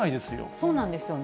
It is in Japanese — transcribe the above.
そうなんですよね。